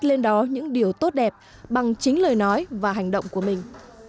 lên đó những điều tốt đẹp bằng chính lời nói và hành động của mình